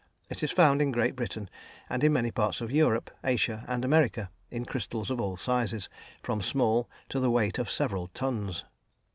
It is found in Great Britain and in many parts of Europe, Asia, and America, in crystals of all sizes, from small to the weight of several tons.